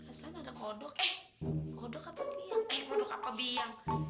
ini ramuan obat telak mau taruh di mali aja ya ada yang nyuri